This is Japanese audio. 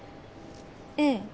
ええ。